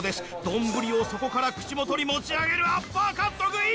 丼を底から口元に持ち上げるアッパーカット食い！